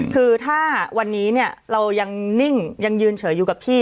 คือถ้าวันนี้เรายังนิ่งยังยืนเฉยอยู่กับที่